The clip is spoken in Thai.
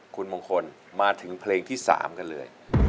คุณมงคลมาถึงเพลงที่๓กันเลย